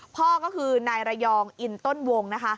พ่อก็คือนายระยองอินต้นวงนะคะ